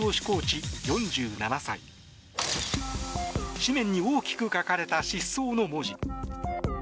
紙面に大きく書かれた「失踪」の文字。